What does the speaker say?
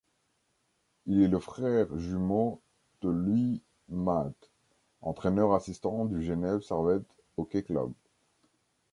Il est le frère jumeau de Louis Matte, entraîneur assistant du Genève-Servette Hockey Club.